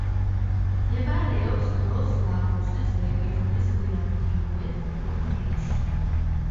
მდებარეობს ლოს-ლაგოსის რეგიონის ლიანკიუეს პროვინციაში.